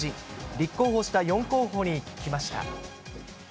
立候補した４候補に聞きました。